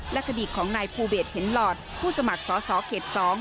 และคดีของนายภูเดชเห็นหลอดผู้สมัครสอสอเขต๒